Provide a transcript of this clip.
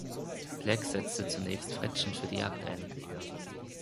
Black setzte zunächst Frettchen für die Jagd ein.